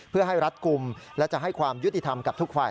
เพื่อให้รัฐกลุ่มและจะให้ความยุติธรรมกับทุกฝ่าย